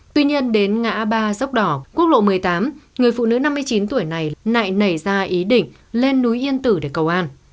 tuy nhiên đến ngã ba dốc đỏ quốc lộ một mươi tám người phụ nữ năm mươi chín tuổi này lại nảy ra ý định lên núi yên tử để cầu an